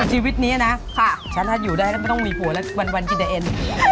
ชีวิตนี้นะฉันถ้าอยู่ได้ก็ไม่ต้องมีผัวแล้ววันกินไอเอ็น